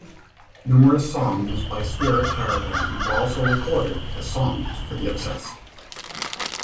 Numerous songs by Spirit Caravan were also recorded as songs for The Obsessed.